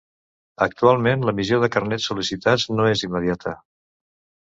Actualment l'emissió de carnets sol·licitats no és immediata.